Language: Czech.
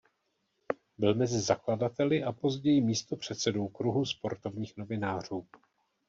Byl mezi zakladateli a později místopředsedou Kruhu sportovních novinářů.